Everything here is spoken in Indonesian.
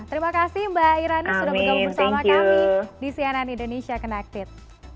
terima kasih mbak irani sudah bergabung bersama kami di cnn indonesia connected